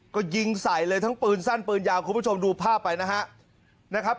ก็ยิงใส่เลยทั้งปืนสั้นปืนยาวคุณผู้ชมดูภาพไปนะครับ